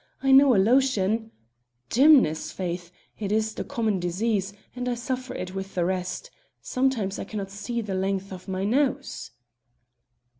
I know a lotion " "Dimness! faith! it is the common disease, and I suffer it with the rest. Sometimes I cannot see the length of my nose."